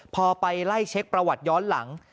พอไปไล่เช็คประวัติย้อนหลัง